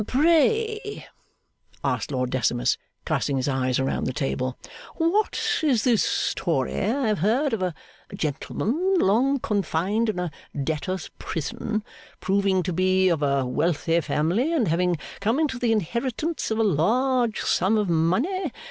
'Pray,' asked Lord Decimus, casting his eyes around the table, 'what is this story I have heard of a gentleman long confined in a debtors' prison proving to be of a wealthy family, and having come into the inheritance of a large sum of money?